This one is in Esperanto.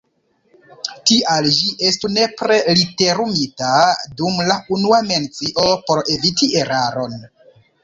Tial ĝi estu nepre literumita dum la unua mencio por eviti eraron.